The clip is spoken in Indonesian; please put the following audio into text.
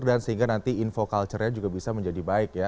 dan sehingga nanti info culture nya juga bisa menjadi baik ya